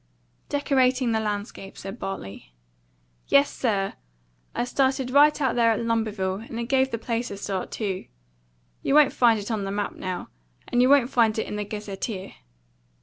"Decorating the landscape," said Bartley. "Yes, sir; I started right there at Lumberville, and it give the place a start too. You won't find it on the map now; and you won't find it in the gazetteer.